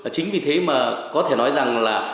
chính vì thế mà có thể nói rằng là